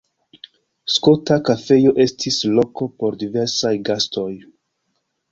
Skota Kafejo estis loko por diversaj gastoj.